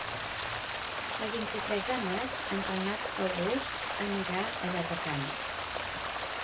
El vint-i-tres de maig en Renat August anirà a Llardecans.